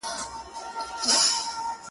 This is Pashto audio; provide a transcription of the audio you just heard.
ورته جوړه په ګوښه کي هدیره سوه،